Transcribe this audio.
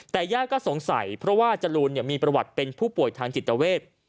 แต่ญาติก็สงสัยเพราะว่าจรูนมีประวัติเป็นผู้ป่วยทางจิตเวท